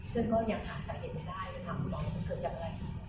เพื่อนก็ยังหาตัดเห็นไม่ได้ถามคุณหมอว่ามันเกิดจากอะไร